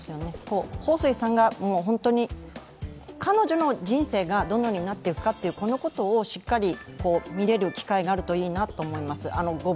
彭帥さんが、彼女の人生がどのようになっていくか、このことをしっかり見れる機会があるといいなと思います。